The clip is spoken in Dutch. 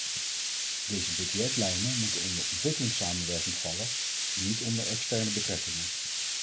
Deze budgetlijnen moeten onder ontwikkelingssamenwerking vallen en niet onder externe betrekkingen.